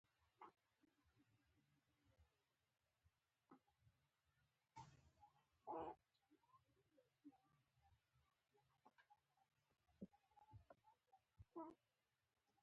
تا څونه سودا وکړه؟